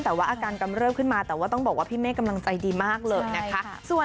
แต่ว่าอาการกำเริบขึ้นมาแต่ว่าต้องบอกว่าพี่เมฆกำลังใจดีมากเลยนะคะ